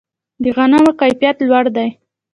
د غنمو کیفیت ډیر لوړ دی.